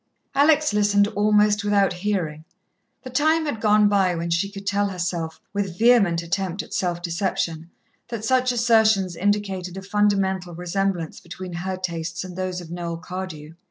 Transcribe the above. Alex listened almost without hearing. The time had gone by when she could tell herself, with vehement attempt at self deception, that such assertions indicated a fundamental resemblance between her tastes and those of Noel Cardew.